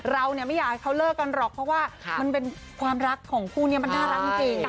เราเนี่ยไม่อยากให้เขาเลิกกันหรอกเพราะว่ามันเป็นความรักของคู่นี้มันน่ารักจริง